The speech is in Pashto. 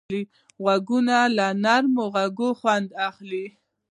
غوږونه له نرمه غږه خوند اخلي